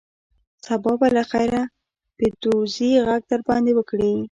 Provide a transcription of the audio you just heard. سبا به له خیره پیدوزي غږ در باندې وکړي.